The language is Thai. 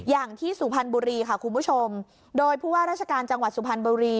สุพรรณบุรีค่ะคุณผู้ชมโดยผู้ว่าราชการจังหวัดสุพรรณบุรี